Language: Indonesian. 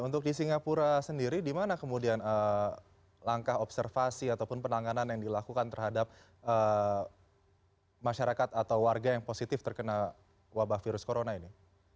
untuk di singapura sendiri di mana kemudian langkah observasi ataupun penanganan yang dilakukan terhadap masyarakat atau warga yang positif terkena wabah virus corona ini